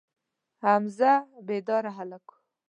حمزه بیداره هلک و.